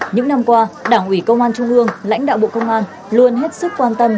những năm qua đảng ủy công an trung ương lãnh đạo bộ công an luôn hết sức quan tâm